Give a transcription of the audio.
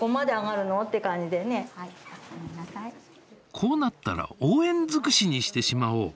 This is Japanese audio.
こうなったら応援尽くしにしてしまおう！